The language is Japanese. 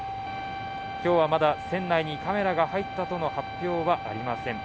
今日はまだ船内にカメラが入ったとの発表はありません。